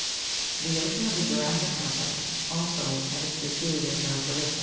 The ocean of the jura'ssic epoch also had its peculiar characters.